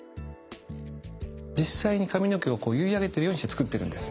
実際に髪の毛を結い上げてるようにしてつくってるんです。